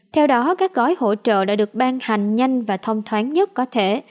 theo đó các gói hỗ trợ đã được ban hành nhanh và thông thoáng nhất có thể